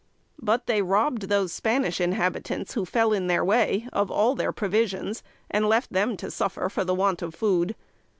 But they robbed those Spanish inhabitants who fell in their way of all their provisions, and left them to suffer for the want of food.